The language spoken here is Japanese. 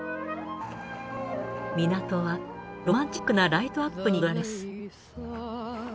港はロマンチックなライトアップに彩られます。